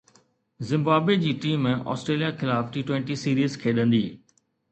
Zimbabwe جي team Australia خلاف T twenty series کيڏندي